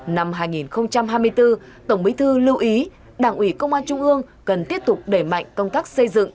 năm hai nghìn hai mươi bốn tổng bí thư lưu ý đảng ủy công an trung ương cần tiếp tục đẩy mạnh công tác xây dựng